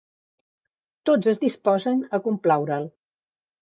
Tots es disposen a complaure'l.